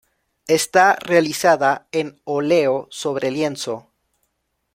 Está realizada en óleo sobre lienzo.